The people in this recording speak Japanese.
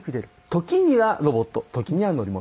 時にはロボット時には乗り物。